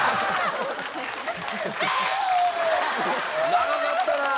「長かったなあ」